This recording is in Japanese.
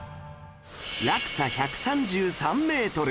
落差１３３メートル